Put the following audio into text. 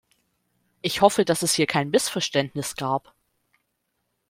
Ich hoffe, dass es hier kein Missverständnis gab.